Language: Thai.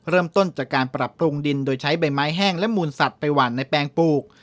เริ่มต้นจากการปรับปรุงดินโดยใช้ใบไม้แห้งและมูลสัตว์ไปหวั่นในแปลงปลูก